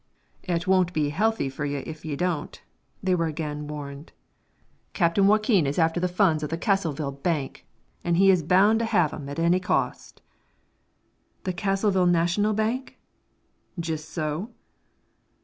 "Et won't be healthy fur ye ef ye don't," they were again warned. "Captain Joaquin is after the funds of the Castleville Bank, and he is bound to have 'em at any cost." "The Castleville National Bank?" "Jist so."